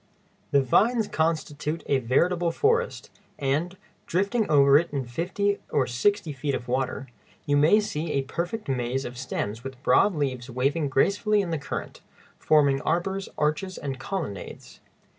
The vines constitute a veritable forest, and, drifting over it in fifty or sixty feet of water, you may see a perfect maze of stems with broad leaves waving gracefully in the current, forming arbors, arches, and colonnades.